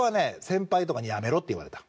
先輩とかに「やめろ」って言われた。